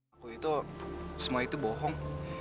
aku itu semua itu bohong